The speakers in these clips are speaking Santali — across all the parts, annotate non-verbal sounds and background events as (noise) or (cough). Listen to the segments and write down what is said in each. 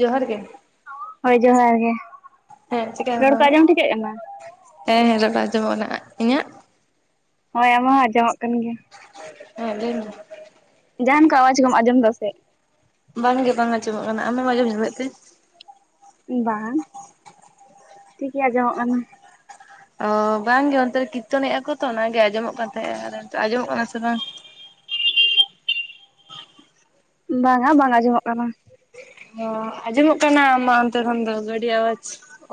ᱡᱚᱦᱟᱨ ᱜᱮ! ᱦᱳᱭ ᱡᱚᱦᱟᱨ ᱜᱮ ᱦᱮᱸ ᱪᱤᱠᱟ ᱨᱚᱲ ᱠᱚ ᱟᱸᱡᱚᱢ ᱴᱷᱤᱠᱟᱹᱜ ᱠᱟᱱᱟ᱾ ᱦᱮᱸ ᱦᱮᱸ ᱨᱚᱲ ᱠᱚ ᱟᱸᱡᱚᱢᱚᱜ-ᱟ ᱱᱟᱜ ᱤᱧᱟᱹᱜ ᱦᱳᱭ ᱟᱢᱟ ᱦᱚᱸ ᱟᱸᱡᱚᱢᱚᱜ ᱠᱟᱱ ᱜᱮᱭᱟ᱾ ᱦᱳᱭ ᱞᱟᱹᱭ ᱢᱮ᱾ ᱡᱟᱦᱟᱱ ᱠᱚ ᱟᱣᱟᱡᱽ ᱠᱚᱢ ᱟᱸᱡᱚᱢ ᱫᱟ ᱥᱮ? ᱵᱟᱝᱜᱮ ᱵᱟᱝ ᱟᱸᱚᱢᱚᱜ ᱠᱟᱱᱟ ᱟᱢᱮᱢ ᱟᱸᱡᱚᱢ ᱧᱟᱢᱮᱫ ᱛᱮ? ᱵᱟᱝ ᱴᱷᱤᱠ ᱜᱮᱭᱟ ᱟᱸᱡᱚᱢᱚᱜ ᱠᱟᱱᱟ᱾ ᱚ ᱵᱟᱝᱜᱮ ᱚᱱᱛᱮ ᱨᱮ ᱠᱤᱨᱛᱚᱱᱮ ᱟᱠ ᱛᱚ ᱚᱱᱟᱜᱮ ᱟᱸᱡᱚᱢᱚᱜ ᱠᱟᱱ ᱛᱟᱦᱮᱸᱜᱼᱟ, ᱟᱸᱡᱚᱢᱚᱜ ᱠᱟᱱᱟ ᱥᱮ ᱵᱟᱝ? ᱵᱟᱝᱟ ᱵᱟᱝ ᱟᱸᱡᱚᱢᱚᱜ ᱠᱟᱱᱟ᱾ ᱚ ᱟᱸᱡᱚᱢᱚᱜ ᱠᱟᱱᱟ ᱟᱢ ᱚᱱᱛᱮ ᱠᱷᱚᱱ ᱫᱚ ᱜᱟᱹᱰᱤ ᱟᱣᱟᱡᱽ᱾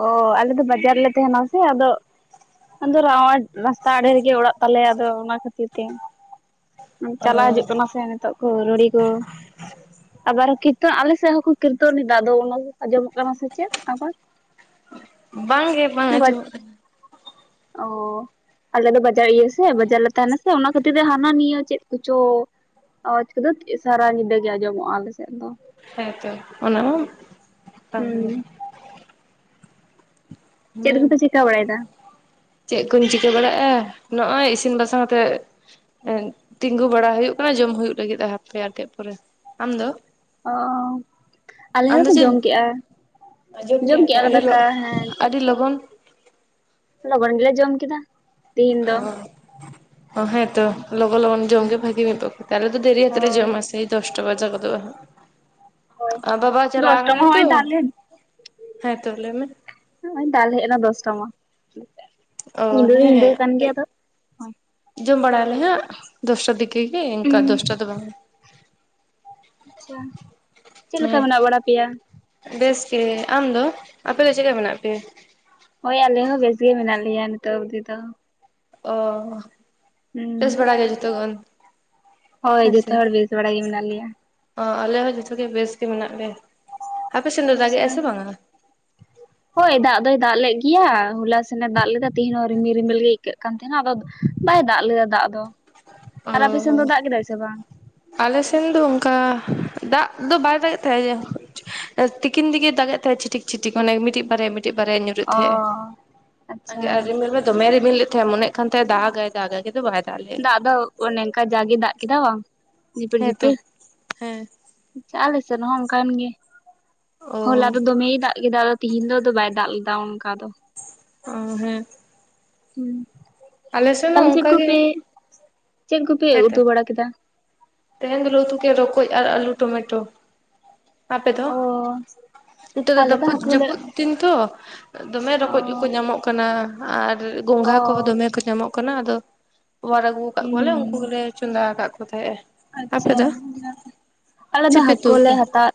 ᱚ ᱟᱞᱮ ᱫᱚ ᱵᱟᱡᱟᱨ ᱨᱮᱞᱮ ᱛᱟᱦᱮᱱᱟ ᱥᱮ ᱟᱫᱚ ᱟᱫᱚ ᱨᱟᱣᱟᱰ ᱨᱟᱥᱛᱟ ᱟᱲᱮ ᱨᱮᱜᱮ ᱚᱲᱟᱜ ᱛᱟᱞᱮᱭᱟ ᱟᱫᱚ ᱚᱱᱟ ᱠᱷᱟᱹᱛᱤᱨ ᱛᱮ ᱚ ᱪᱟᱞᱟᱣ ᱦᱤᱡᱩᱜ ᱠᱟᱱᱟ ᱥᱮ ᱱᱤᱛᱚᱜ ᱠᱚ ᱨᱩᱲᱤ ᱠᱚ ᱟᱵᱟᱨ ᱠᱤᱨᱛᱚᱱ ᱟᱞᱮᱥᱮᱫ ᱦᱚᱸᱠᱚ ᱠᱤᱨᱛᱚᱱᱮᱫᱟ ᱟᱫᱚ ᱚᱱᱟ ᱟᱸᱡᱚᱢᱚᱜ ᱠᱟᱱᱟ ᱥᱮ ᱪᱮᱫ ᱟᱵᱟᱨ ᱵᱟᱝ ᱜᱮ ᱵᱟᱝ ᱟᱡᱚᱢ ᱚᱜ ᱠᱟᱱᱟ᱾ ᱚ ᱟᱞᱮ ᱫᱚ ᱵᱟᱡᱟᱨ ᱤᱭᱟᱹ ᱥᱮ ᱵᱟᱡᱟᱨ ᱞᱮ ᱛᱟᱦᱮᱱᱟ ᱥᱮ ᱚᱱᱟ ᱠᱷᱟᱹᱛᱤᱨ ᱛᱮ ᱦᱟᱱᱟ ᱱᱤᱭᱟᱹ ᱪᱮᱫ ᱠᱚᱪᱚ ᱟᱣᱟᱡᱽ ᱫᱚᱠᱚ ᱥᱟᱨᱟ ᱧᱤᱫᱟᱹ ᱜᱮ ᱟᱸᱡᱚᱢᱚᱜᱼᱟ ᱟᱞᱮ ᱥᱮᱫ ᱫᱚ ᱦᱮ ᱛᱮ ᱚᱱᱟ ᱢᱟ ᱠᱟᱱ ᱜᱮ ᱦᱩᱸ ᱪᱮᱫ ᱞᱟᱹᱭ ᱢᱮ ᱠᱚᱯᱮ ᱪᱮᱠᱟᱹ ᱵᱟᱲᱟᱭᱮᱫᱟ? ᱪᱮᱫ ᱠᱚᱧ ᱪᱤᱠᱟᱹ ᱵᱟᱲᱟᱜᱼᱟ ᱱᱚᱜᱼᱚᱭ ᱤᱥᱤᱱ ᱵᱟᱥᱟᱝ ᱠᱟᱛᱮ ᱛᱤᱸᱜᱩ ᱵᱟᱲᱟ ᱦᱩᱭᱩᱜ ᱠᱟᱱᱟ ᱡᱚᱢ ᱦᱩᱭᱩᱜ ᱞᱟᱹᱜᱤᱫᱼᱟ ᱦᱟᱯᱮ ᱟᱨ ᱠᱟᱹᱪ ᱯᱚᱨᱮ ᱟᱢᱫᱚ? ᱚ ᱟᱞᱮ ᱫᱚ ᱦᱚᱸᱞᱮ ᱡᱚᱢ ᱪᱮᱫ ᱠᱮᱜᱼᱟ ᱟᱸᱡᱚᱢ ᱡᱚᱢ ᱠᱮᱜᱼᱟ ᱠᱮᱜ ᱯᱮ ᱟᱞᱮ ᱟᱹᱰᱤ ᱫᱟᱠᱟ ᱦᱮᱸ ᱟᱹᱰᱤ ᱞᱚᱜᱚᱱ ᱞᱚᱜᱚᱱ ᱜᱮᱞᱮ ᱡᱚᱢ ᱠᱮᱫᱟ᱾ ᱛᱤᱦᱤᱧ ᱫᱚ ᱚ ᱦᱮᱸᱛᱚ ᱞᱚᱜᱚ ᱞᱚᱜᱚᱱ ᱡᱚᱢ ᱦᱩᱸ ᱜᱮ ᱵᱷᱟᱜᱤ ᱱᱤᱛᱚᱜ ᱛᱟᱦᱚᱞᱮ ᱛᱚ ᱫᱮᱨᱤ ᱦᱟᱛᱮ ᱨᱮ ᱦᱳᱭ ᱡᱚᱢᱟ ᱥᱮᱭ ᱫᱚᱥᱴᱟ ᱵᱟᱡᱟ ᱜᱚᱫᱚᱜᱼᱟ ᱦᱟᱸᱜ ᱦᱳᱭ ᱵᱟᱵᱟ ᱪᱟᱞᱟ ᱫᱚᱥᱴᱟ ᱢᱟ ᱠᱟᱱᱟᱭ ᱛᱚ ᱦᱚᱸᱜᱼᱚᱭ ᱫᱟᱜ ᱞᱮᱫ ᱦᱮᱸ ᱛᱚ ᱞᱟᱹᱭ ᱢᱮ ᱱᱚᱜᱚᱭ ᱫᱟᱞ ᱦᱮᱡ ᱮᱱᱟ ᱫᱚᱥᱴᱟ ᱢᱟ ᱚ ᱧᱤᱫᱟᱹ ᱫᱚ ᱦᱮᱸ ᱧᱤᱫᱟᱹ ᱦᱮᱸ ᱟᱠᱟᱱ ᱜᱮᱭᱟ ᱠᱟᱹᱡ ᱟᱫᱚ ᱡᱚᱢ ᱵᱟᱲᱟᱭᱟᱞᱮ ᱦᱟᱸᱜ ᱫᱚᱥᱴᱟ ᱫᱤᱠᱮ ᱜᱮ ᱤᱱᱠᱟ ᱫᱚᱥᱴᱟ ᱫᱚ ᱵᱟᱝᱼᱟ᱾ ᱟᱪᱪᱷᱟ ᱪᱮᱫ ᱞᱮᱠᱟ ᱦᱮᱸ ᱢᱮᱱᱟᱜ ᱵᱟᱲᱟ ᱯᱮᱭᱟ? ᱵᱮᱥ ᱜᱮ ᱟᱢᱫᱚ ᱟᱯᱮ ᱫᱚ ᱪᱮᱫᱠᱟ ᱢᱮᱱᱟᱜ ᱯᱮᱭᱟ ᱦᱳᱭ ᱟᱞᱮ ᱦᱚᱸ ᱵᱮᱥ ᱜᱮ ᱢᱮᱱᱟᱜ ᱞᱮᱭᱟ ᱱᱤᱛᱚᱜ ᱚᱵᱫᱤ ᱫᱚ ᱚ ᱦᱩᱸ ᱵᱮᱥ ᱵᱟᱲᱟ ᱜᱮ ᱡᱷᱚᱛᱚ ᱜᱚᱱ ᱦᱳᱭ ᱦᱮᱸᱥᱮ ᱡᱚᱛᱚ ᱦᱚᱲ ᱵᱮᱥ ᱵᱟᱲᱟ ᱜᱮ ᱢᱮᱱᱟᱜ ᱞᱮᱭᱟ᱾ ᱚ ᱟᱞᱮ ᱦᱚᱸ ᱡᱚᱛᱚ ᱵᱮᱥ ᱜᱮ ᱢᱮᱱᱟᱜ ᱞᱮᱭᱟ ᱦᱟᱯᱮ ᱥᱮᱱ ᱫᱚ ᱟᱪᱪᱷᱟ ᱫᱟᱜᱽᱮᱫᱟᱭ ᱥᱮ ᱵᱟᱝᱼᱟ? ᱦᱳᱭ ᱫᱟᱜᱽ ᱫᱚᱭ ᱫᱟᱜᱽ ᱞᱮᱫ ᱜᱮᱭᱟ ᱦᱚᱞᱟ ᱥᱮᱱᱮ ᱫᱟᱜᱽ ᱞᱮᱫᱟ ᱛᱮᱦᱮᱱ ᱦᱚᱸ ᱨᱤᱢᱤᱞ ᱨᱤᱢᱤᱞ ᱜᱮ ᱟᱹᱭᱠᱟᱹᱜ ᱠᱟᱱ ᱛᱟᱦᱮᱱᱟ ᱟᱫᱚ ᱵᱟᱭ ᱫᱟᱜᱽ ᱞᱮᱫᱟ ᱫᱟᱜᱽ ᱫᱚ ᱟᱨ ᱟᱯᱮ ᱥᱮᱱ ᱚ ᱫᱚ ᱫᱟᱜᱽ ᱠᱮᱫᱟᱭ ᱥᱮ ᱵᱟᱝ? ᱟᱞᱮ ᱥᱮᱱ ᱫᱚ ᱚᱱᱠᱟ ᱫᱟᱜᱽ ᱫᱚ ᱵᱟᱭ ᱫᱟᱜᱮᱫ ᱛᱟᱦᱮᱸ ᱛᱤᱠᱤᱱ ᱫᱤᱠᱮ ᱫᱟᱜᱽᱮᱜ ᱛᱟᱦᱮᱫ ᱪᱷᱤᱴᱤᱠ ᱪᱷᱤᱴᱤᱠ ᱚᱱᱮ ᱢᱤᱫᱴᱤᱡ ᱵᱟᱨᱭᱟ ᱢᱤᱫᱴᱤᱡ ᱵᱟᱨᱭᱟ ᱧᱩᱨ ᱚ ᱟᱪᱪᱷᱟ ᱛᱟᱦᱮᱸᱜᱼᱟ ᱟᱨ ᱨᱤᱢᱤᱞ ᱢᱮ ᱫᱚᱢᱮ ᱨᱤᱢᱤᱞ ᱞᱮᱫ ᱛᱟᱦᱮᱸᱜ ᱢᱚᱱᱮ ᱠᱟᱱ ᱛᱟᱦᱮᱱᱟ ᱫᱟᱜᱽᱟᱭ ᱫᱟᱜᱽᱟᱭ ᱠᱤᱱᱛᱩ ᱵᱟᱭ ᱫᱟᱜᱽ ᱞᱮᱫᱟ᱾ ᱫᱟᱜ ᱫᱚ ᱚᱱᱮ ᱚᱝᱠᱟ ᱡᱟᱜᱮ ᱫᱟᱜᱽ ᱠᱮᱫᱟ ᱵᱟᱝ ᱡᱷᱤᱯᱤᱨ ᱦᱮᱸ ᱛᱚ ᱡᱷᱤᱯᱤᱨ ᱦᱮᱸ ᱟᱞᱮ ᱥᱮᱫ ᱦᱚᱸ ᱚᱱᱠᱟᱱ ᱜᱮ ᱚ ᱦᱚᱞᱟ ᱫᱚ ᱫᱚᱢᱮᱭ ᱫᱟᱜᱽ ᱠᱮᱫᱟ ᱛᱮᱦᱮᱧ ᱫᱚ ᱫᱚ ᱵᱟᱭ ᱫᱟᱜᱽ ᱞᱮᱫᱟ ᱚᱱᱠᱟ ᱫᱚ ᱚ ᱦᱮᱸ ᱦᱩᱸ ᱟᱞᱮ ᱥᱮᱱ ᱦᱚᱸ ᱛᱟᱦᱞᱮ ᱪᱮᱫ ᱚᱱᱠᱟ ᱜᱮ ᱠᱚᱯᱮ ᱪᱮᱫ ᱠᱚᱯᱮ ᱦᱮᱸᱛᱚ ᱩᱛᱩ ᱵᱟᱲᱟ ᱠᱮᱫᱟ? ᱛᱮᱦᱮᱧ ᱫᱚᱞᱮ ᱩᱛᱩ ᱠᱮᱜᱼᱟ ᱨᱚᱠᱚᱡᱽ ᱟᱨ ᱟᱹᱞᱩ ᱴᱚᱢᱮᱴᱳ ᱟᱯᱮ ᱫᱚ? ᱚ ᱱᱤᱛᱚᱜ ᱫᱚ ᱟᱞᱮ ᱫᱟᱹᱯᱩᱡ ᱦᱟᱹᱠᱩ ᱞᱮ ᱡᱟᱹᱯᱩᱫ ᱛᱤᱧ ᱛᱚ ᱫᱚᱢᱮ ᱚ ᱨᱚᱠᱚᱡᱽ ᱠᱚ ᱧᱟᱢᱚᱜ ᱠᱟᱱᱟ ᱟᱨ ᱜᱚᱝᱜᱷᱟ ᱚ ᱠᱚᱦᱚᱸ ᱫᱚᱢᱮ ᱠᱚ ᱧᱟᱢᱚᱜ ᱠᱟᱱᱟ ᱟᱫᱚ ᱚᱣᱟᱨ ᱟᱹᱜᱩ ᱠᱟᱜ ᱦᱩᱸ ᱠᱚᱣᱟ ᱞᱮ ᱦᱩᱸ ᱩᱱᱠᱩ ᱜᱮᱞᱮ ᱪᱚᱸᱫᱟ ᱟᱠᱟᱜ ᱠᱚ ᱛᱟᱦᱮᱸᱜᱼᱟ᱾ ᱟᱯᱮ ᱟᱪᱪᱷᱟ ᱫᱚ ᱟᱞᱮ ᱫᱚ ᱪᱮᱫ ᱯᱮ ᱦᱟᱹᱠᱚ ᱩᱛᱩ ᱞᱮ ᱟᱠᱟᱫᱟ ᱦᱟᱛᱟᱣ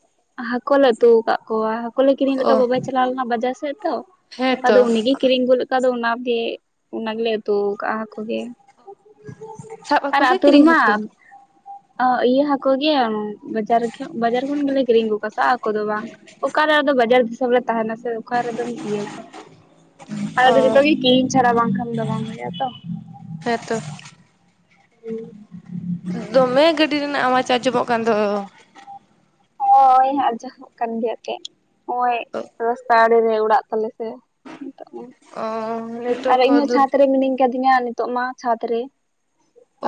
ᱦᱟᱹᱠᱚ ᱞᱮ ᱩᱛᱩ ᱟᱠᱟᱫ ᱠᱚᱣᱟ ᱦᱟᱹᱠᱚ ᱠᱤᱨᱤᱧ ᱞᱮᱠ ᱚ ᱠᱚᱣᱟ ᱵᱟᱵᱟᱭ ᱪᱟᱞᱟᱣ ᱞᱮᱱᱟ ᱵᱟᱡᱟᱨ ᱥᱮᱫ ᱛᱚ ᱟᱫᱚ ᱦᱮᱸᱛᱚ ᱩᱱᱤ ᱜᱮᱭ ᱠᱤᱨᱤᱧ ᱜᱩ ᱞᱮ ᱟᱫᱚ ᱚᱱᱟ ᱛᱮ ᱚᱱᱟᱜᱮ ᱚᱱᱟ ᱜᱮᱞᱮ ᱩᱛᱩ ᱠᱟᱜᱼᱟ ᱦᱟᱹᱠᱩ ᱜᱮ ᱥᱟᱵ ᱟᱨ ᱦᱟᱹᱠᱩ ᱥᱮ ᱟᱹᱛᱳᱨ ᱠᱤᱨᱤᱧ ᱢᱟ ᱦᱟᱹᱠᱩ ᱤᱭᱟᱹ ᱦᱟᱹᱠᱳ ᱜᱮ ᱵᱟᱡᱟᱨ ᱵᱟᱡᱟᱨ ᱠᱷᱚᱱ ᱜᱮᱞᱮ ᱠᱤᱨᱤᱧ ᱟᱹᱜᱩ ᱠᱟ ᱥᱮ ᱟᱠᱚ ᱫᱚ ᱵᱟᱝ ᱚᱠᱟᱨᱮ ᱟᱫᱚ ᱵᱟᱡᱟᱨᱤ ᱫᱤᱥᱚᱹᱢ ᱨᱮ ᱛᱟᱦᱮᱱᱟ ᱥᱮ ᱚᱠᱟ ᱨᱮᱫᱚᱢ ᱤᱭᱟᱹ ᱠᱚᱣᱟ ᱟᱞᱮ ᱚ ᱫᱚ ᱡᱚᱛᱚ ᱜᱮ ᱠᱤᱨᱤᱧ ᱪᱷᱟᱨᱟ ᱵᱟᱝᱠᱷᱟᱱ ᱫᱚ ᱵᱟᱝ ᱦᱩᱭᱩᱜᱼᱟ ᱛᱚ ᱦᱮᱸᱛᱚ (inaudible) ᱫᱚᱢᱮ ᱜᱟᱹᱰᱤ ᱨᱮᱱᱟᱜ ᱟᱣᱡ ᱟᱸᱡᱚᱢᱚᱜ ᱠᱟᱱ ᱫᱚ ᱦᱳᱭ ᱟᱸᱡᱚᱜ ᱠᱟᱱ ᱜᱮᱭᱟ ᱛᱮᱜ ᱚᱭᱮᱜ ᱨᱟᱥᱛᱟ ᱟᱲᱮᱨᱮ ᱚᱲᱟᱜ ᱛᱟᱞᱮ ᱥᱮ ᱱᱤᱛᱚᱜ ᱢᱟ ᱚ ᱟᱨ ᱱᱮᱴᱣᱟᱨᱠ ᱠᱚ ᱤᱧ ᱦᱚᱸ ᱫᱩᱨ ᱪᱷᱟᱸᱫᱽ ᱨᱮ ᱢᱤᱱᱟᱹᱧ ᱠᱟᱫᱤᱧᱟ ᱱᱤᱛᱚᱜ ᱢᱟ ᱪᱷᱟᱫᱽ ᱨᱮ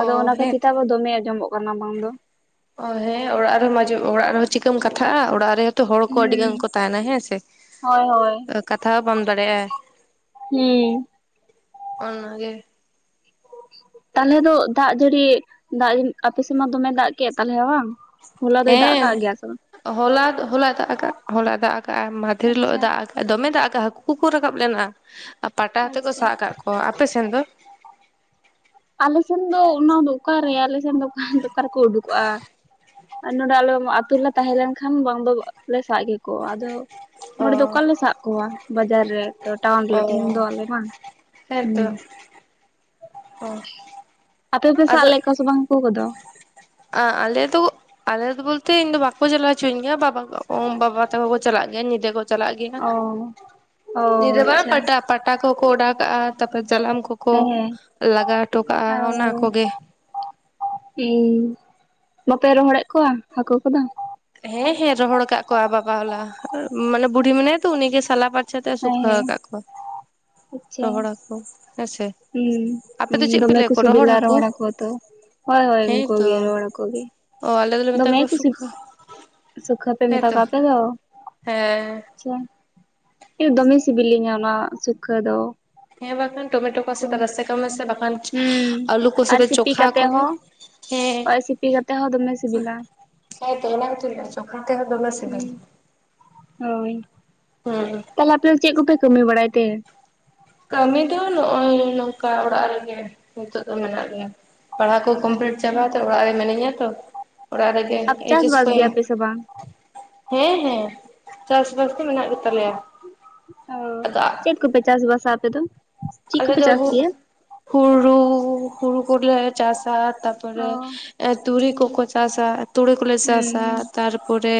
ᱚ ᱚᱱᱟ ᱦᱮᱸ ᱠᱷᱟᱹᱛᱤᱨ ᱫᱚᱢᱮ ᱟᱸᱡᱚᱢᱚᱜ ᱠᱟᱱᱟ ᱵᱟᱝ ᱫᱚ ᱚ ᱦᱮᱸ ᱚᱲᱟᱜ ᱨᱮᱦᱚᱸ ᱢᱟᱡ ᱚᱲᱟᱜ ᱨᱮᱦᱚᱸ ᱪᱤᱠᱟᱹᱢ ᱠᱟᱛᱷᱟᱜᱼᱟ ᱚᱲᱟᱜ ᱨᱮ ᱛᱚ ᱦᱚᱲ ᱠᱚ ᱟᱹᱰᱤ ᱦᱩᱸ ᱜᱟᱱ ᱠᱚ ᱛᱟᱦᱮᱱᱟ ᱦᱮᱸ ᱥᱮ ᱦᱳᱭ ᱦᱳᱭ ᱠᱟᱛᱷᱟ ᱦᱚᱸ ᱵᱟᱢ ᱫᱟᱲᱮᱭᱟᱜᱼᱟ ᱦᱩᱸ ᱚᱱᱟ ᱜᱮ ᱛᱟᱦᱞᱮ ᱫᱚ ᱫᱟᱜᱽ ᱡᱟᱹᱲᱤ ᱫᱟᱜᱽ ᱟᱯᱮ ᱥᱮᱫ ᱢᱟ ᱫᱚᱢᱮ ᱫᱟᱜᱽ ᱠᱮᱫ ᱛᱟᱞᱦᱮ ᱵᱟᱝ ᱦᱚᱞᱟ ᱫᱚᱭ ᱫᱟᱜ ᱦᱮᱸ ᱠᱟᱜ ᱜᱮᱭᱟ ᱥᱮ ᱵᱟᱝ ᱦᱚᱞᱟ ᱦᱚᱞᱟᱭ ᱫᱟᱜ ᱟᱠᱟᱫ ᱦᱚᱞᱟᱭ ᱫᱟᱜ ᱟᱠᱟᱫᱼᱟ, ᱢᱟᱦᱟ ᱫᱮᱨ ᱦᱤᱞᱚᱜ ᱮ ᱟᱪᱪᱷᱟ ᱫᱟᱜ ᱟᱠᱟᱫ, ᱫᱚᱢᱮ ᱫᱟᱜᱽ ᱠᱟᱜᱼᱟ ᱦᱟᱹᱠᱩ ᱠᱚᱠᱚ ᱨᱟᱠᱟᱵ ᱞᱮᱱᱟ ᱟᱨ ᱯᱟᱴᱟ ᱛᱮ ᱠᱚ ᱟᱪᱪᱷᱟ ᱥᱟᱵ ᱠᱟᱜ ᱠᱚᱣᱟ ᱟᱯᱮ ᱥᱮᱱ ᱫᱚ? ᱟᱞᱮ ᱥᱮᱱ ᱫᱚ ᱚᱱᱟ ᱫᱚ ᱚᱠᱟᱨᱮ ᱟᱞᱮ ᱥᱮᱱ ᱫᱚ ᱚᱠᱟᱱ ᱫᱚ ᱚᱠᱟᱨᱮᱠᱚ ᱩᱰᱩᱠᱚᱜᱼᱟ ᱱᱚᱰᱮ ᱟᱞᱮ ᱟᱹᱛᱩᱞ ᱞᱮ ᱛᱟᱦᱮᱸ ᱞᱮᱱᱠᱷᱟᱱ ᱵᱟᱝ ᱫᱚ ᱞᱮ ᱥᱟᱜ ᱠᱮᱠᱚᱣᱟ ᱟᱫᱚ ᱚ ᱱᱚᱰᱮ ᱫᱚ ᱚᱠᱟᱞᱮ ᱥᱟᱜ ᱠᱚᱣᱟ ᱵᱟᱡᱟᱨ ᱨᱮ ᱛᱚ ᱴᱟᱣᱟᱱ ᱞᱮ ᱚ ᱛᱮᱦᱮᱱ ᱫᱚ ᱟᱞᱮ ᱢᱟ ᱦᱩᱸ ᱦᱮᱸᱛᱚ ᱚ ᱟᱯᱮ ᱯᱮ ᱥᱟᱵ ᱞᱮᱜ ᱠᱚᱣᱟ ᱥᱮ ᱵᱟᱝ ᱦᱟᱠᱩ ᱠᱚᱫᱚ ᱟᱜ ᱟᱞᱮ ᱫᱚ ᱟᱞᱮ ᱫᱚ ᱵᱚᱞᱛᱮ ᱤᱧ ᱫᱚ ᱵᱟᱠᱚ ᱪᱟᱞᱟᱣ ᱦᱚᱪᱚᱧ ᱜᱮᱭᱟ ᱵᱟᱵᱟ ᱵᱟᱵᱟ ᱛᱟᱠᱚ ᱠᱚ ᱪᱟᱞᱟᱜ ᱜᱮᱭᱟ ᱧᱤᱫᱟᱹ ᱠᱚ ᱪᱞᱟ ᱜᱮᱭᱟ ᱚ ᱚ (unintelligible) ᱟᱪᱪᱷᱟ ᱯᱟᱴᱟ ᱯᱟᱴᱟ ᱠᱚᱠᱚ ᱚᱰᱟᱣᱠᱟᱜᱼᱟ ᱛᱟᱯᱚᱨ ᱡᱟᱞᱟᱢ ᱠᱚᱠᱚ ᱦᱮᱸ ᱦᱮᱸ ᱞᱟᱜᱟᱣ ᱦᱚᱴᱚ ᱠᱟᱜᱼᱟ ᱚᱱᱟ ᱠᱚᱜᱮ ᱦᱮᱸ ᱵᱟᱯᱮ ᱨᱚᱦᱚᱲᱮᱜ ᱠᱚᱣᱟ ᱦᱟᱹᱠᱳ ᱠᱚᱫᱚ ᱦᱮᱸ ᱦᱮᱸ ᱨᱚᱦᱚᱲ ᱠᱟᱜ ᱠᱚᱣᱟ ᱵᱟᱵᱟ ᱦᱚᱞᱟ ᱢᱟᱱᱮ ᱵᱩᱰᱤ ᱢᱮᱱᱟᱭᱟ ᱛᱚ ᱩᱱᱤᱜ ᱥᱟᱞᱟ ᱯᱟ ᱪᱷᱟᱛᱮ ᱦᱮᱸ ᱥᱩᱠᱷᱟᱹ ᱦᱮᱸ ᱠᱟᱜ ᱠᱚᱣᱟ ᱟᱪᱪᱷᱟ ᱨᱚᱦᱚᱲ ᱟᱠᱚ ᱦᱮᱸ ᱥᱮ ᱦᱩᱸ ᱫᱚᱢᱮ ᱠᱷᱩ ᱥᱤᱵᱤᱞᱟ ᱦᱟᱹᱠᱩ ᱨᱚᱦᱚᱲ ᱦᱟᱠᱳ ᱩᱛᱩ ᱦᱳᱭ ᱦᱳᱭ ᱩᱱᱠᱩ ᱦᱮᱸᱛᱚ ᱜᱮ ᱨᱚᱦᱛᱲ ᱦᱟᱠᱳ ᱜᱮ ᱚ ᱟᱞᱮ ᱫᱚᱞᱮ ᱢᱮᱛᱟ ᱫᱚᱢᱮ ᱠᱚᱣᱟ ᱠᱩᱥᱤ ᱥᱩᱠᱷᱟᱹ ᱥᱩᱠᱷᱟᱹ ᱯᱮ ᱢᱮᱛᱟ ᱦᱮᱸᱛᱚ ᱠᱚᱣᱟ ᱟᱯᱮ ᱫᱚ ᱦᱮᱸ ᱟᱪᱷᱟ ᱤ ᱫᱚᱢᱮ ᱥᱤᱵᱤᱞᱤᱧᱟ ᱚᱱᱟ ᱥᱩᱠᱷᱟᱹ ᱫᱚ ᱦᱮᱸ ᱵᱟᱠᱷᱟᱱ ᱴᱚᱢᱮᱴᱳ ᱠᱚ ᱥᱟᱛᱮ ᱨᱟᱹᱥᱮ ᱠᱟᱢᱮᱥᱮ ᱵᱟᱠᱷᱟᱱ ᱦᱩᱸ ᱟᱞᱩ ᱠᱚ ᱥᱟᱛᱮ ᱪᱚᱠᱷᱟ ᱠᱚᱢᱮ ᱦᱳᱭ ᱥᱤᱯᱤ ᱠᱟᱛᱮᱜ ᱦᱚᱸ ᱫᱚᱢᱮ ᱥᱤᱵᱤᱞᱟ᱾ ᱦᱮᱛᱚ ᱚᱱᱟ ᱜᱮᱛᱩᱭ ᱞᱟᱹᱭᱟ ᱪᱚᱠᱷᱟ ᱛᱮ ᱦᱚ ᱫᱚᱢᱮ ᱦᱩᱸ ᱥᱤᱵᱤᱞ ᱦᱩᱸ᱾ ᱛᱟᱦᱚᱞᱮ ᱟᱯᱮ ᱪᱮᱜ ᱠᱚᱯᱮ ᱠᱟᱹᱢᱤ ᱵᱟᱲᱟᱭ ᱛᱮ? ᱠᱟᱹᱢᱤ ᱫᱚ ᱱᱚᱜᱼᱚᱭ ᱱᱚᱝᱠᱟ ᱚᱲᱟᱜ ᱨᱮᱜᱮ ᱱᱤᱛᱚᱜ ᱫᱚ ᱢᱮᱱᱟᱜ ᱞᱮᱭᱟ᱾ ᱯᱟᱲᱦᱟᱜ ᱠᱚ ᱠᱚᱢᱯᱞᱤᱴ ᱪᱟᱵᱟᱛᱮ ᱚᱲᱟᱜ ᱨᱮ ᱢᱤᱱᱟᱹᱧᱟ ᱛᱚ ᱚᱲᱟᱜ ᱨᱮ ᱟᱯ ᱮᱭᱤᱡ ᱪᱟᱥ ᱮᱥ ᱵᱟᱥ ᱠᱚᱮᱢ ᱜᱮᱭᱟᱯᱮ ᱥᱮ ᱵᱟᱝ (unintelligible) ᱦᱮᱸ ᱦᱮᱸ ᱪᱟᱥ ᱵᱟᱥ ᱜᱮ ᱢᱮᱱᱟᱜ ᱜᱮᱛᱟᱞᱮᱭᱟ᱾ ᱚ ᱟᱫᱚ ᱪᱮᱫ ᱠᱚᱯᱮ ᱪᱟᱥᱵᱥᱟ ᱟᱯᱮ ᱫᱚ? ᱪᱮᱫ ᱟᱞᱮ ᱠᱚᱯᱮ ᱫᱚ ᱪᱟᱥ ᱦᱩᱜ ᱜᱮᱭᱟ ᱦᱩᱲᱩ ᱠᱚᱞᱮ ᱪᱟᱥᱟ ᱛᱟᱯ ᱚ ᱛᱟᱨᱯᱚᱨᱮ ᱛᱩᱲᱤ ᱠᱚᱠᱚ ᱪᱟᱥᱟ ᱛᱩᱲᱤ ᱠᱚᱞᱮ ᱦᱩᱸ ᱪᱟᱥᱟ ᱦᱩᱸ ᱛᱟᱨᱯᱚᱨᱮ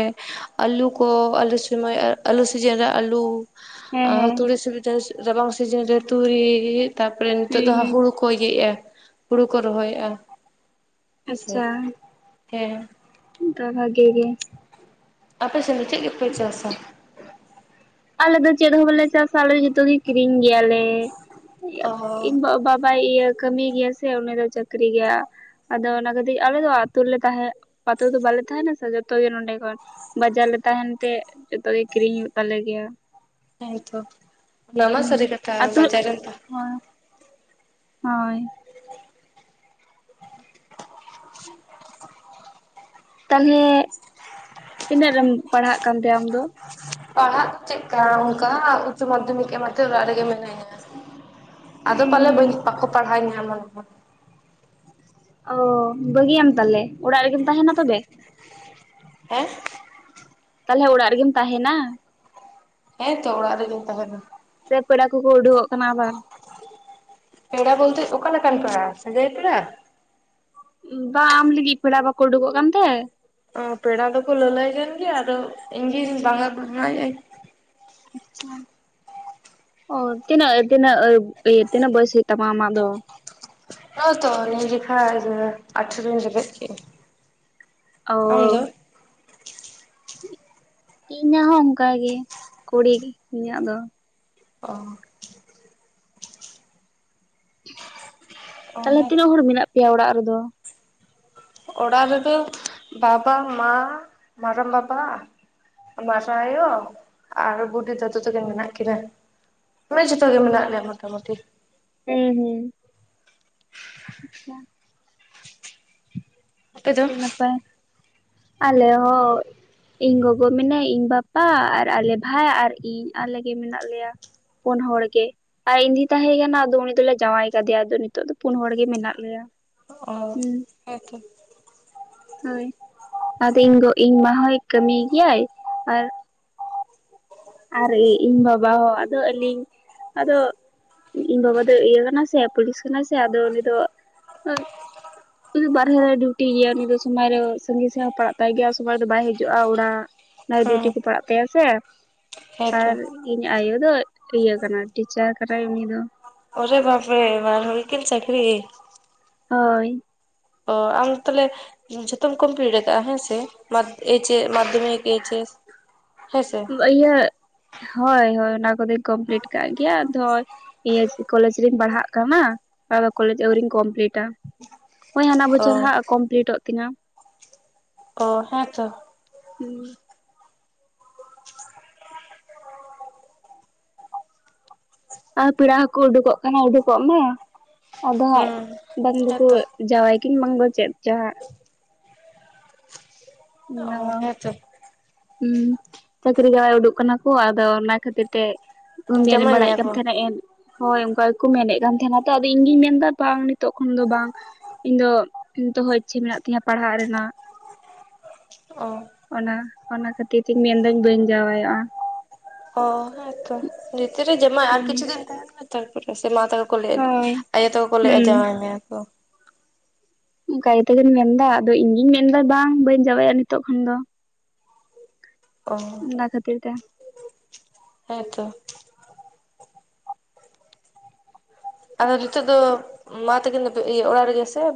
ᱟᱹᱞᱩ ᱠᱚ ᱟᱞᱩ ᱥᱚᱢᱚᱭ ᱟᱞᱩ ᱥᱤᱡᱤᱱ ᱨᱮ ᱟᱞᱩ ᱦᱮᱸ ᱟᱨ ᱦᱮᱸ ᱛᱩᱲᱤ ᱥᱤᱨᱤ ᱪᱟᱥ ᱨᱟᱵᱟᱝ ᱥᱤᱡᱤᱱ ᱨᱮ ᱛᱩᱩᱨᱤ ᱛᱟᱯᱚᱨᱮ ᱱᱤᱛᱚᱜ ᱫᱚ ᱦᱩᱸ ᱦᱟ ᱦᱩᱲᱩ ᱦᱩᱸ ᱠᱚ ᱮᱭᱮᱜᱼᱮ ᱦᱩᱲᱩ ᱠᱚ ᱨᱚᱦᱚᱭᱮᱜᱼᱟ᱾ ᱟᱪᱪᱷᱟ ᱦᱮᱸᱥᱮ ᱦᱮᱸ ᱫᱚ ᱵᱷᱟᱜᱮ ᱜᱮ ᱟᱯᱮᱥᱮᱱ ᱫᱚ ᱪᱮᱜ ᱜᱮᱯᱮ ᱪᱟᱥᱟ? ᱟᱞᱮ ᱫᱚ ᱪᱮᱫ ᱦᱚᱸ ᱵᱟᱞᱮ ᱪᱟᱥᱟ ᱟᱞᱮ ᱡᱚᱛᱚ ᱜᱮ ᱠᱤᱨᱤᱧ ᱜᱮᱭᱟᱞᱮ᱾ ᱚ ᱤᱧ ᱵᱟ ᱵᱟᱭ ᱤᱭᱟᱹ ᱠᱟᱹᱢᱤᱭ ᱜᱮᱭᱟ ᱥᱮ ᱩᱱᱤ ᱫᱚ ᱪᱟᱹᱠᱨᱤ ᱜᱮᱭᱟ᱾ ᱟᱫᱚ ᱚᱱᱟ ᱠᱷᱟᱹᱛᱤᱨ ᱟᱞᱮ ᱫᱚ ᱟᱛᱳ ᱨᱮᱞᱮ ᱛᱟᱦᱮᱸ ᱯᱟᱛᱳ ᱫᱚ ᱵᱟᱞᱮ ᱛᱟᱦᱮᱱᱟ ᱥᱮ ᱡᱚᱛᱚ ᱜᱮ ᱱᱚᱰᱮ ᱠᱷᱚᱱ᱾ ᱵᱟᱡᱟᱨ ᱞᱮ ᱛᱟᱦᱮᱱ ᱛᱮ ᱡᱚᱛᱚᱜ ᱜᱮ ᱠᱤᱨᱤᱧ ᱦᱩᱭᱩᱜ ᱛᱟᱞᱮ ᱜᱮᱭᱟ᱾ ᱦᱮᱛᱚ ᱱᱟᱢᱟ (unintelligible) ᱦᱩᱸ ᱥᱟᱨᱤ ᱠᱟᱛᱷᱟ ᱟᱛᱳ ᱵᱟᱡᱟᱨ ᱨᱮᱢᱛᱟ (unintelligible) ᱦᱚᱭ (unintelligible) ᱛᱟᱞᱦᱮ ᱛᱤᱱᱟᱹᱜ ᱨᱮᱢ ᱯᱟᱲᱦᱟᱜ ᱠᱟᱱᱛᱮ ᱟᱢ ᱫᱚ? ᱯᱟᱲᱦᱟᱜ ᱪᱮᱫ ᱠᱟ ᱚᱱᱠᱟ ᱩᱪᱪ ᱢᱟᱫᱽᱫᱷᱚᱢᱤᱠ ᱮᱢᱟᱛᱮ ᱚᱲᱟᱜ ᱨᱮᱜᱮ ᱢᱮᱱᱟᱭᱟ ᱟᱫᱚ ᱯᱟᱞᱮ ᱩᱸ ᱵᱟᱹᱧ ᱯᱟ ᱯᱟᱲᱦᱟᱣ (inaudible) ᱚ ᱵᱟᱹᱜᱤᱭᱟᱢ ᱛᱟᱞᱦᱮ ᱚᱲᱟᱜ ᱨᱮᱜᱮᱢ ᱛᱟᱦᱮᱱᱟ ᱛᱚᱵᱮ ᱦᱮᱸ ᱛᱟᱞᱦᱮ ᱚᱲᱟᱜ ᱨᱮᱜᱮᱢ ᱛᱟᱦᱮᱱᱟ? ᱦᱮᱸ ᱛᱚ ᱚᱲᱟᱜ ᱨᱮᱜᱤᱱ ᱛᱟᱦᱮᱱᱟ᱾ ᱥᱮ ᱯᱮᱲᱟ ᱠᱚᱠᱚ ᱩᱰᱩᱠᱚᱜ ᱠᱟᱱᱟ ᱟᱵᱟᱨ ᱯᱮᱲᱟ ᱵᱚᱞᱛᱮ ᱚᱠᱟ ᱞᱮᱠᱟᱱ ᱯᱮᱲᱟ ᱥᱟᱹᱜᱟᱹᱭ ᱯᱮᱲᱟ ᱵᱟ ᱟᱢ ᱞᱟᱹᱜᱤᱫ ᱯᱮᱲᱟ ᱵᱟᱠᱚ ᱩᱰᱩᱠᱚᱜ ᱠᱟᱱᱛᱮ? ᱚ ᱯᱮᱲᱟ ᱫᱚᱠᱚ ᱞᱟᱹᱞᱟᱹᱭ ᱠᱟᱱ ᱜᱮᱭᱟ ᱟᱫᱚ ᱤᱧᱜᱤᱧ ᱵᱟᱝ ᱟ ᱮᱭᱟᱭ᱾ ᱟᱪᱪᱷᱟ ᱚ ᱛᱤᱱᱟᱹᱜ ᱛᱤᱱᱟᱹᱜ ᱛᱤᱱᱟᱹᱜ ᱵᱚᱭᱚᱥ ᱦᱩᱭᱩᱜ ᱛᱟᱢᱟ ᱟᱢᱟᱜ ᱫᱚ? ᱱᱚᱜ-ᱚ ᱛᱚ ᱱᱤᱭᱟ. ᱡᱚᱠᱷᱟ (inaudible) ᱟᱴᱷᱨᱚᱧ ᱨᱮᱵᱮᱫ ᱠᱮᱫ ᱚ ᱤᱭᱟᱜ ᱦᱚᱸ ᱚᱱᱠᱟᱜᱮ ᱠᱩᱲᱤ ᱤᱧᱟᱹᱜ ᱫᱚ᱾ ᱚ ᱚ ᱛᱟᱞᱦᱮ ᱛᱤᱱᱟᱹᱜ ᱦᱚᱲ ᱢᱮᱱᱟᱜ ᱯᱮᱭᱟ ᱚᱲᱟᱜ ᱨᱮᱫᱚ ᱚᱲᱟᱜ ᱨᱮᱫᱚ ᱵᱟᱵᱟ, ᱢᱟ, ᱢᱟᱨᱟᱢ ᱵᱟᱵᱟ, ᱢᱟᱨᱟ ᱟᱭᱳ ᱟᱨ ᱵᱩᱰᱤ ᱫᱟᱫᱩ ᱛᱟᱹᱠᱤᱱ ᱢᱮᱱᱟᱜ ᱠᱤᱱᱟ᱾ ᱢᱟᱱᱮ ᱡᱚᱛᱚ ᱜᱮ ᱢᱮᱱᱟᱜ ᱞᱮᱭᱟ ᱢᱚᱴᱟᱢᱩᱴᱤ ᱦᱩᱸ ᱦᱩᱸ ᱟᱪᱪᱷᱟ ᱟᱯᱮ ᱫᱚ ᱟᱹᱰᱤ ᱱᱟᱯᱟᱭ ᱟᱞᱮ ᱦᱚ ᱤᱧ ᱜᱚᱜᱚ ᱢᱮᱱᱟᱭ, ᱤᱧ ᱵᱟᱵᱟ ᱟᱨ ᱟᱞᱮ ᱵᱷᱟᱭ ᱟᱨ ᱤᱧ ᱟᱞᱮ ᱜᱮ ᱢᱮᱱᱟᱜ ᱞᱮᱭᱟ᱾ ᱯᱳᱱ ᱦᱚᱲ ᱜᱮ᱾ ᱟᱨ ᱤᱧ ᱫᱤ ᱛᱟᱦᱮᱸ ᱠᱟᱱᱟ ᱟᱫᱚ ᱩᱱᱤ ᱫᱚᱞᱮ ᱡᱟᱶᱟᱭ ᱠᱟᱫᱮᱭᱟ ᱟᱫᱚ ᱱᱤᱛᱚᱜ ᱫᱚ ᱯᱩᱱ ᱦᱚᱲ ᱜᱮ ᱢᱮᱱᱟᱜ ᱞᱮᱭᱟ᱾ ᱚ ᱦᱮᱸᱛᱚ ᱦᱩᱸ ᱟᱫᱚ ᱤᱧ ᱜᱚ ᱤᱧ ᱢᱟ ᱦᱚᱭ ᱠᱟᱹᱢᱤ ᱜᱮᱭᱟᱭ ᱟᱨ ᱟᱨ ᱤᱧ ᱵᱟᱵᱟ ᱦᱚᱸ ᱟᱫᱚ ᱟᱹᱞᱤᱧ ᱟᱫᱚ ᱤᱧ ᱵᱟᱵᱟ ᱫᱚ ᱤᱭᱟᱹ ᱠᱟᱱᱟ ᱥᱮ ᱯᱩᱞᱤᱥ ᱠᱟᱱᱟ ᱥᱮ ᱟᱫᱚ ᱩᱱᱤ ᱫᱚ (inaudible) ᱩᱱᱤ ᱵᱟᱨᱦᱮ ᱨᱮ ᱰᱤᱭᱩᱴᱤ ᱜᱮᱭᱟ ᱩᱱᱤ ᱫᱚ ᱥᱚᱢᱟᱭ ᱨᱮ ᱥᱟᱺᱜᱤᱧ ᱥᱮᱜ ᱯᱟᱲᱟᱜ ᱛᱟᱭ ᱜᱮᱭᱟ ᱥᱚᱢᱟᱭ ᱨᱮ ᱫᱚ ᱵᱟᱭ ᱦᱤᱡᱩᱜᱼᱟ, ᱚᱲᱟᱜ᱾ (inaudible) ᱦᱮᱸ ᱰᱤᱭᱩᱴᱤ ᱠᱚ ᱯᱟᱲᱟᱜ ᱛᱟᱭᱟ ᱥᱮ ᱦᱮᱸᱛᱚ ᱟᱨ ᱤᱧ ᱟᱭᱳ ᱫᱚ ᱤᱭᱟᱹ ᱠᱟᱱᱟ ᱴᱤᱪᱟᱨ ᱠᱟᱱᱟᱭ ᱩᱱᱤ ᱫᱚ ᱚᱨᱮ ᱵᱟᱯᱮ ᱨᱮ ᱵᱟᱨ ᱦᱩᱭ ᱠᱤᱱ ᱪᱟᱹᱠᱨᱤ᱾ ᱦᱳᱭ ᱚ ᱟᱢ ᱛᱷᱟᱞᱮ ᱡᱷᱚᱛᱚᱢ ᱠᱚᱢᱯᱤᱞᱤᱴ ᱟᱠᱟᱜᱼᱟ ᱦᱮᱸ ᱥᱮ (inaudible) ᱮᱭᱤᱪ ᱮᱥ ᱢᱟᱫᱽᱫᱷᱚᱢᱤᱠ ᱮᱭᱤᱪ ᱮᱥ ᱦᱮᱸᱥᱮ ᱤᱭᱟᱹ ᱦᱳᱭ ᱦᱳᱭ ᱚᱱᱟ ᱠᱚᱫᱚᱧ ᱠᱚᱢᱯᱞᱤᱴ ᱠᱟᱜ ᱜᱮᱭᱟ ᱟᱫᱚ ᱤᱭᱟᱹ ᱠᱚᱞᱮᱡ ᱨᱤᱧ ᱯᱟᱲᱦᱟᱜ ᱠᱟᱱᱟ ᱟᱫᱚ ᱠᱚᱞᱮᱡᱽ ᱟᱹᱣᱨᱤᱧ ᱠᱚᱢᱯᱞᱤᱴᱟ ᱦᱳᱭ ᱦᱟᱱᱟ ᱚ ᱵᱚᱪᱷᱚᱨ ᱦᱟᱸᱜ ᱠᱚᱢᱯᱤᱞᱤᱴᱚᱜ ᱛᱤᱧᱟᱹ᱾ ᱚ ᱦᱮᱸᱛᱚ ᱩᱸ ᱟᱨ ᱯᱮᱲᱟ ᱦᱚᱸᱠᱩ ᱩᱰᱩᱠᱚᱜ ᱠᱟᱱᱟ ᱩᱰᱩᱠᱚᱜ ᱢᱟ ᱟᱫᱚ ᱦᱟᱸᱜ ᱦᱩᱸ ᱵᱟᱝ ᱫᱚᱠᱚ ᱦᱮᱸᱛᱚ ᱡᱟᱶᱟᱭ (inaudible) ᱵᱟᱝᱜᱚ ᱪᱮᱫ ᱪᱚ ᱦᱟᱸᱜ ᱚ ᱱᱟᱶᱟ ᱦᱮᱸᱛᱚ ᱩᱸ ᱪᱟᱹᱠᱨᱤ ᱡᱟᱣᱟᱭ ᱩᱰᱩᱠ ᱠᱟᱱᱟ ᱠᱚ ᱟᱫᱚ ᱚᱱᱟ ᱠᱷᱟᱹᱛᱤᱨ ᱛᱮ ᱵᱮᱨ ᱡᱟᱶᱟᱭ ᱵᱟᱲᱟᱭᱮᱫ ᱢᱮᱭᱟ ᱠᱟᱱ ᱠᱚ ᱛᱟᱦᱮᱭ ᱮᱢ ᱦᱳᱭ ᱚᱱᱠᱟ ᱜᱮᱠᱚ ᱢᱮᱱᱮᱫ ᱠᱟᱱ ᱛᱟᱦᱮᱱᱟ ᱛᱚ ᱟᱫᱚ ᱤᱧ ᱜᱤᱧ ᱢᱮᱱᱫᱟ ᱵᱟᱝ ᱱᱤᱛᱚᱜ ᱠᱷᱚᱱ ᱫᱚ ᱵᱟᱝ ᱤᱧ ᱫᱚ ᱱᱤᱛᱦᱚ ᱤᱪᱪᱷᱟᱹ ᱢᱮᱱᱟᱜ ᱛᱤᱧᱟᱹ ᱯᱟᱲᱦᱟᱜ ᱨᱮᱱᱟᱜ ᱚ ᱚᱱᱟ ᱚᱱᱟ ᱠᱷᱟᱹᱛᱤᱨ ᱛᱤᱧ ᱢᱮᱱᱫᱟᱹᱧ ᱵᱟᱹᱧ ᱡᱟᱶᱟᱭᱚᱜᱼᱟ ᱚ ᱦᱮᱸᱛᱚ ᱡᱤᱛ ᱨᱮ ᱡᱚᱢᱟᱭ ᱟᱨ ᱦᱩᱸ ᱠᱤᱪᱷᱩ ᱫᱤᱱ ᱛᱟᱦᱮᱸ ᱛᱟᱨᱯᱚᱨ ᱥᱮ ᱢᱟ ᱛᱟᱠᱚ ᱠᱚ ᱞᱟᱹᱭ ᱦᱳᱭ ᱟᱭᱳ ᱛᱟᱠᱚ ᱞᱟᱹᱭ ᱮᱫ ᱦᱩᱸ ᱡᱟᱶᱟᱭ ᱢᱮᱭᱟ ᱠᱚ ᱚᱱᱠᱟ ᱜᱮᱛᱚᱠᱤᱧ ᱢᱮᱱᱫᱟ ᱟᱫᱚ ᱤᱧ ᱜᱤᱧ ᱢᱮᱱᱫᱟ ᱵᱟᱝ ᱵᱟᱹᱧ ᱡᱟᱶᱟᱭᱚᱜᱟ ᱱᱤᱛᱚᱜ ᱠᱷᱚᱱ ᱫᱚ ᱚ ᱚᱱᱟ ᱠᱷᱟᱹᱛᱤᱨ ᱛᱮ ᱦᱮᱸᱛᱚ ᱟᱫᱚ ᱨᱤᱛᱚᱜ ᱫᱚ ᱢᱟ ᱛᱠᱤᱱᱛᱩ ᱤᱭᱟᱹ ᱚᱲᱟᱜ ᱨᱮᱜ ᱥᱮᱮ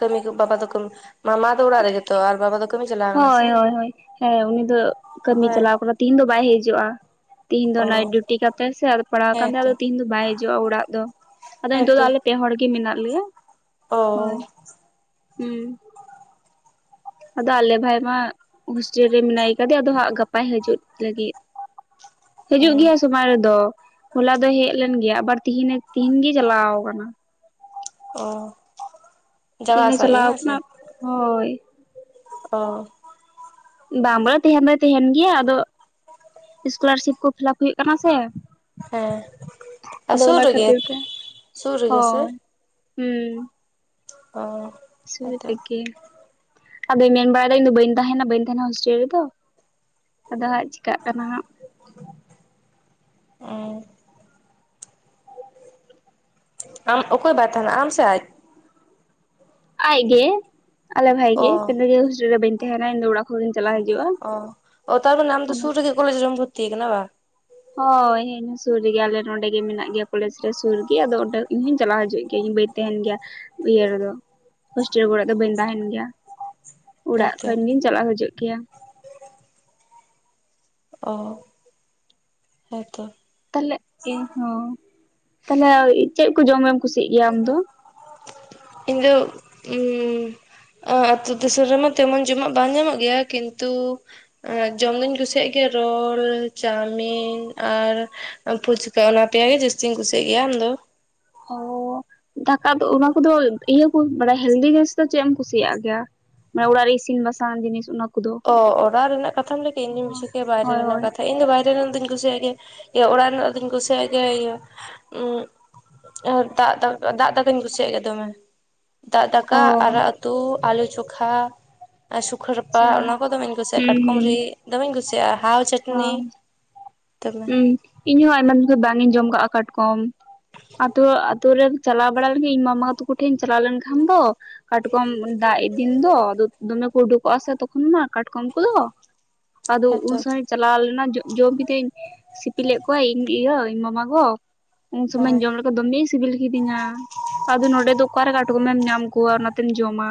ᱠᱟᱹᱢᱤ ᱠᱚ ᱵᱟᱵᱟ ᱫᱚ ᱠᱟᱹ ᱢᱟ ᱫᱚ ᱚᱲᱟᱜ ᱨᱮᱜᱮᱮᱛᱚ ᱟᱨ ᱵᱟᱵᱟ ᱫᱚ ᱠᱟᱹᱢᱤ ᱪᱟᱞᱟᱣ ᱠᱟᱱᱟ ᱥᱮ ᱦᱳᱭ ᱦᱳᱭ ᱦᱳᱭ ᱦᱮ ᱩᱱᱤ ᱫᱚ ᱠᱟᱹᱢᱤ ᱦᱳᱭ ᱪᱟᱞᱟᱣ ᱠᱟᱱᱟ ᱛᱤᱦᱤᱧ ᱫᱚ ᱵᱟᱭ ᱦᱤᱡᱩᱜᱼᱟ ᱛᱤᱦᱤᱧ ᱫᱚ ᱚ ᱱᱟᱭᱤᱴ ᱰᱤᱭᱩᱴᱤ ᱠᱟᱛᱮ ᱥᱮ ᱯᱟᱲᱟᱣ ᱟᱠᱟᱱ ᱦᱮᱸᱛᱚ ᱛᱟᱭᱟ ᱛᱮᱦᱮᱧ ᱫᱚ ᱵᱟᱭ ᱦᱤᱡᱩᱜᱼᱟ ᱚᱲᱟᱜ ᱫᱚ ᱟᱫᱚ ᱱᱤᱛᱚᱜ ᱫᱚ ᱦᱮᱸᱛᱚ ᱟᱞᱮ ᱯᱮ ᱦᱚᱲ ᱜᱮ ᱢᱮᱱᱟᱜ ᱞᱮᱭᱟ ᱚ ᱦᱳᱭ ᱦᱩᱸ ᱟᱫᱚ ᱟᱞᱮ ᱵᱷᱟᱭ ᱢᱟ ᱦᱳᱥᱴᱮᱞ ᱨᱮ ᱢᱮᱱᱟᱭ ᱠᱟᱫᱮ ᱟᱫᱚ ᱦᱟᱸᱜ ᱜᱟᱯᱟᱭ ᱦᱤᱡᱩᱜ ᱞᱟᱹᱜᱤᱫ (inaudible) ᱦᱤᱡᱩᱜ ᱜᱮᱭᱟ ᱥᱚᱢᱚᱭ ᱨᱮᱫᱚ ᱦᱚᱞᱟ ᱫᱚ ᱦᱮᱡ ᱞᱮᱱ ᱜᱮᱭᱟ ᱟᱵᱟᱨ ᱛᱤᱦᱤᱧ ᱛᱤᱦᱤᱧᱜᱮᱭ ᱪᱟᱞᱟᱣ ᱟᱠᱟᱱᱟ ᱚ ᱡᱟᱣᱟ ᱛᱤᱦᱤᱧ ᱮ ᱟᱥᱟᱜ ᱜᱮ ᱪᱟᱞᱟᱣ ᱦᱮᱸ ᱥᱮ ᱠᱟᱱᱟ ᱦᱳᱭ ᱚ ᱵᱟᱝ ᱵᱚᱞᱮ ᱛᱟᱦᱮᱱ ᱫᱚᱭ ᱛᱟᱦᱮᱱ ᱜᱮᱭᱟ ᱟᱫᱚ ᱥᱠᱚᱞᱟᱨᱥᱤᱯ ᱠᱚ ᱯᱷᱤᱞᱟᱯ ᱦᱩᱭᱩᱜ ᱠᱟᱱᱟ ᱥᱮ ᱦᱮᱸ ᱟᱨ ᱟᱫᱚ ᱥᱩᱨ ᱚᱱᱟ ᱨᱮᱜᱮ ᱠᱷᱟᱹᱛᱤᱨ ᱛᱮ ᱥᱩᱨ ᱨᱮᱜᱮ ᱥᱮ ᱦᱳᱭ ᱦᱩᱸ ᱚ ᱥᱩᱨ ᱦᱮᱸᱛᱚ ᱨᱮᱜᱮ ᱟᱫᱚᱭ ᱢᱮᱱ ᱵᱟᱲᱟᱭᱮᱫᱟ ᱤᱧᱫᱚ ᱵᱟᱹᱧ ᱛᱟᱦᱮᱱᱟ ᱵᱟᱹᱧ ᱛᱟᱦᱮᱱᱟ ᱦᱳᱥᱴᱮᱞ ᱨᱮᱫᱚ ᱟᱫᱚ ᱦᱟᱸᱜ ᱪᱤᱠᱟᱹᱜ ᱠᱟᱱᱟ ᱦᱟᱸᱜ ᱦᱮ ᱟᱢ ᱚᱠᱚᱭ ᱵᱟᱭ ᱛᱟᱦᱮᱱᱟ ᱟᱢ ᱥᱮ ᱟᱡ ᱟᱡᱜᱮ ᱟᱞᱮ ᱵᱷᱟᱭ ᱚ ᱜᱮ ᱱᱤᱭᱟ. ᱦᱳᱥᱴᱮᱞ ᱨᱮ ᱵᱟᱹᱧ ᱛᱟᱦᱮᱱᱟ ᱤᱧ ᱫᱚ ᱚᱲᱟᱜ ᱠᱷᱚᱱ ᱜᱮ ᱪᱟᱞᱟᱜ ᱦᱤᱡᱩᱜᱼᱟ ᱚ ᱛᱟᱨ ᱢᱟᱱᱮ ᱟᱢ ᱫᱚ ᱥᱩᱨ ᱨᱮ ᱜᱮ ᱠᱚᱞᱮᱡᱽ ᱨᱮᱢ ᱵᱷᱚᱨᱛᱤ ᱟᱠᱟᱱᱟ ᱵᱟ ᱦᱳᱭ ᱦᱮᱱᱟ ᱥᱩᱨ ᱨᱮᱜᱮ ᱟᱞᱮ ᱱᱚᱸᱰᱮ ᱜᱮ ᱢᱮᱱᱟᱜ ᱜᱮᱭᱟ ᱠᱚᱞᱮᱡᱽ ᱨᱮ ᱥᱩᱨ ᱨᱮᱜᱮ ᱟᱫᱚ ᱚᱸᱰᱮ ᱤᱧ ᱦᱚᱸᱧ ᱪᱟᱞᱟᱣ ᱦᱤᱡᱩᱜ ᱜᱮᱭᱟ ᱤᱧ ᱵᱟᱹᱧ ᱛᱟᱦᱮᱱ ᱜᱮᱭᱟ ᱤᱭᱟᱹ ᱨᱮᱫᱚ ᱦᱳᱥᱴᱮᱞ ᱠᱚᱨᱮ ᱫᱚ ᱵᱟᱹᱧ ᱛᱟᱦᱮᱱ ᱜᱮᱭᱟ ᱚᱲᱟᱜ ᱦᱮᱸᱛᱚ ᱠᱷᱚᱱ ᱜᱤᱧ ᱪᱟᱞᱟᱜ ᱦᱤᱡᱩᱜ ᱜᱮᱭᱟ ᱚ ᱦᱮᱸᱛᱚ ᱛᱟᱦᱚᱞᱮ ᱮᱦᱚᱸ ᱛᱟᱦᱚᱞᱮ ᱪᱮᱫ ᱠᱚ ᱡᱚᱢᱮᱢ ᱠᱩᱥᱤᱭᱟᱜ ᱜᱮᱭᱟ ᱟᱢ ᱫᱚ ᱤᱧᱫᱚ ᱦᱩᱸ ᱚ ᱟᱹᱛᱩ ᱫᱤᱥᱚᱢ ᱨᱮᱢᱟ ᱛᱮᱢᱚᱱ ᱡᱚᱢᱟᱜ ᱵᱟᱝ ᱧᱟᱢᱚᱜ ᱜᱮᱭᱟ ᱠᱤᱱᱛᱩ ᱟᱨ ᱡᱚᱢ ᱫᱩᱧ ᱠᱩᱥᱤᱭᱟᱜ ᱜᱮᱭᱟ ᱨᱳᱞ ᱪᱟᱣᱢᱤᱱ ᱟᱨ ᱯᱷᱩᱪᱠᱟ ᱚᱱᱟᱛᱮ ᱡᱟᱹᱥᱛᱤᱧ ᱠᱩᱥᱤᱭᱟᱜ ᱜᱮᱭᱟ ᱟᱢᱫᱚ ᱚ ᱫᱟᱠᱟ ᱫᱚ ᱚᱱᱟ ᱠᱚᱫᱚ ᱤᱭᱟᱹ ᱵᱟᱲᱟᱭᱟ ᱠᱚ ᱦᱮᱞᱫᱤ ᱡᱤᱱᱤᱥ ᱫᱚ ᱪᱮᱫ ᱮᱢ ᱠᱩᱥᱤᱭᱟᱜ ᱜᱮᱭᱟ ᱢᱟᱱᱮ ᱚᱲᱟᱜ ᱤᱥᱤᱱ ᱵᱟᱥᱟᱱ ᱡᱤᱱᱤᱥ ᱚᱱᱟ ᱠᱚᱫᱚ ᱚ ᱚᱲᱟᱜ ᱨᱮᱱᱟᱜ ᱠᱟᱛᱷᱟᱢ ᱞᱟᱹᱭ ᱠᱮᱫ ᱤᱧᱫᱚᱧ ᱵᱩᱪᱷᱟᱹ ᱠᱮᱭᱟ ᱵᱟᱭᱨᱮ ᱦᱳᱭ ᱨᱮᱱᱟᱜ ᱦᱳᱭ ᱠᱟᱛᱷᱟ ᱤᱧᱫᱚ ᱵᱟᱭᱨᱮ ᱨᱮᱱᱟᱜ ᱫᱚᱧ ᱠᱩᱥᱤᱭᱟᱜ ᱜᱮᱭᱟ ᱦᱩᱸ ᱤᱭᱟ. ᱚᱲᱟᱜ ᱨᱮᱱᱟᱜ ᱫᱚᱧ ᱠᱩᱥᱤᱭᱟᱜ ᱜᱮ ᱤᱭᱟᱹ ᱟᱨ ᱫᱟᱜ ᱫᱟᱠᱟ ᱫᱟᱜ ᱫᱟᱠᱟᱧ ᱠᱩᱥᱤᱭᱟᱜ ᱜᱮ ᱫᱚᱢᱮ ᱫᱟᱜ ᱚ ᱫᱟᱠᱟ ᱟᱨᱟᱜ ᱩᱛᱩ ᱟᱞᱩ ᱪᱚᱠᱷᱟ ᱥᱩᱠᱷᱟᱹ ᱨᱟ ᱵᱟ ᱟᱪᱪᱷᱟ ᱚᱱᱟ ᱠᱚ ᱫᱚᱢᱮᱧ ᱠᱩᱥᱤᱭᱟᱜᱼᱟ ᱦᱩᱸ ᱠᱟᱴᱠᱚᱢ ᱦᱩᱸ ᱨᱤᱫ ᱫᱚᱢᱮᱧ ᱠᱩᱥᱤᱭᱟᱜᱼᱟ ᱦᱟᱣ ᱪᱟᱹᱴᱱᱤ ᱛᱚᱢᱮ ᱤᱧᱦᱚᱸ ᱟᱭᱢᱟ ᱫᱤᱱ ᱠᱷᱚᱱ ᱵᱟᱝ ᱤᱧ ᱡᱚᱢ ᱠᱟᱜᱼᱟ ᱠᱟᱴᱠᱚᱢ ᱟᱫᱚ ᱟᱛᱩ ᱨᱮᱢ ᱪᱟᱞᱟᱣ ᱵᱟᱲᱟ ᱞᱤᱜᱤᱫ ᱤᱧ ᱢᱟᱢᱟᱜᱚ ᱛᱟᱠᱚ ᱴᱷᱮᱱ ᱤᱧ ᱪᱟᱞᱟᱣ ᱞᱮᱱᱠᱷᱟᱱ ᱫᱚ ᱠᱟᱴᱠᱚᱢ ᱫᱟᱜ ᱫᱤᱱ ᱫᱚ ᱫᱚᱢᱮ ᱠᱚ ᱩᱰᱩᱠᱚᱜ ᱟ ᱥᱮ ᱛᱚᱠᱷᱚᱱ ᱢᱟ ᱠᱟᱴᱠᱚᱢ ᱠᱚᱫᱚ ᱟᱫᱚ ᱦᱮᱸᱛᱚ ᱩᱱ ᱥᱚᱢᱚᱭ ᱪᱟᱞᱟᱣ ᱞᱮᱱᱟ ᱡᱚ ᱡᱚᱢ ᱠᱤᱫᱤᱧ ᱥᱤᱯᱤᱞᱮᱫ ᱠᱚᱣᱟ ᱤᱧ ᱤᱭᱟᱹ ᱤᱧ ᱢᱟᱢᱟ ᱜᱚ ᱩᱱ ᱥᱚᱢᱚᱭ ᱦᱳᱭ ᱡᱚᱢ ᱞᱮ ᱫᱚ ᱫᱚᱢᱮᱧ ᱥᱤᱵᱤᱞ ᱠᱤᱫᱤᱧᱟ ᱟᱫᱚ ᱱᱚᱰᱮ ᱫᱚ ᱚᱠᱟᱨᱮ ᱠᱟᱴᱠᱚᱢ ᱮᱢ ᱧᱟᱢ ᱠᱚᱣᱟ ᱚᱱᱟᱛᱮᱢ ᱡᱚᱢᱟ᱾